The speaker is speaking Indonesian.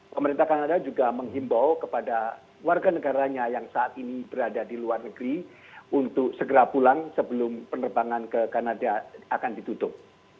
pemerintah kanada juga menghimbau kepada warga negaranya yang saat ini berada di luar negeri untuk segera pulang sebelum penerbangan ke kanada akan ditutup